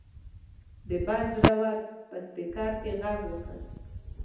د بس ډریور په سپیکر کې غږ وکړ.